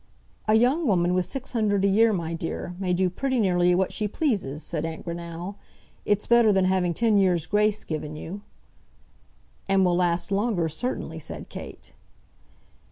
"A young woman, with six hundred a year, my dear, may do pretty nearly what she pleases," said aunt Greenow. "It's better than having ten years' grace given you." "And will last longer, certainly," said Kate.